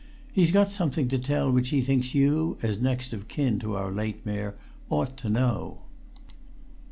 "He's got something to tell which he thinks you, as next of kin to our late Mayor, ought to know."